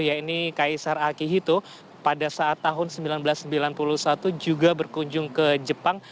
yaitu kaisar akihito pada saat tahun seribu sembilan ratus sembilan puluh satu juga berkunjung ke jepang